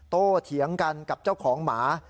เถียงกันกับเจ้าของหมา